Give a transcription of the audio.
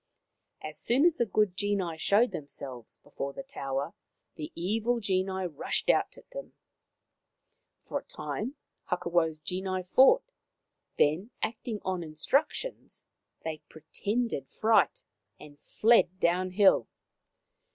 As soon as the good genii showed themselves before the tower the evil genii rushed out at them. For a time Hakawau' s genii fought ; then, acting on instructions, they pretended fright, and fled down hill.